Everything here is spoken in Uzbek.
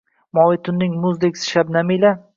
Moviy tunning muzdek shabnami ila